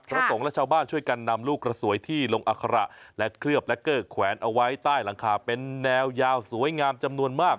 สงฆ์และชาวบ้านช่วยกันนำลูกกระสวยที่ลงอัคระและเคลือบและเกอร์แขวนเอาไว้ใต้หลังคาเป็นแนวยาวสวยงามจำนวนมาก